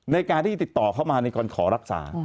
ในการที่จะติดต่อเข้ามาในการขอรักษา